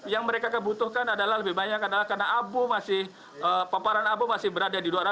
yang mereka kebutuhkan adalah lebih banyak adalah karena abu masih peparan abu masih berada di luar